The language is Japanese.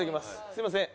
すみません。